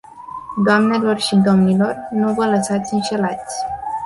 Doamnelor și domnilor, nu vă lăsați înșelați.